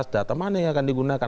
data mana yang akan digunakan